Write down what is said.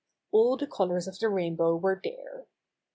All the colors of the rainbow were there.